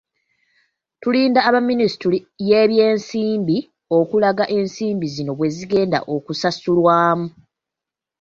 Tulinda aba minisitule y’ebyensimbi okulaga ensimbi zino bwe zigenda okusasulwamu.